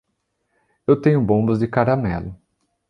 Eu tenho bombas de caramelo.